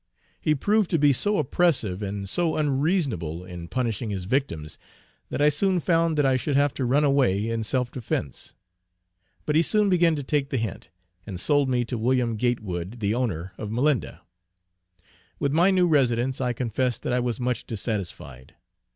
He proved to be so oppressive, and so unreasonable in punishing his victims, that I soon found that I should have to run away in self defence. But he soon began to take the hint, and sold me to Wm. Gatewood the owner of Malinda. With my new residence I confess that I was much dissatisfied.